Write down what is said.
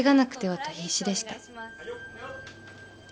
はい。